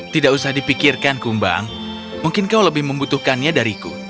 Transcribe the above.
tidak usah dipikirkan kumbang mungkin kau lebih membutuhkannya dariku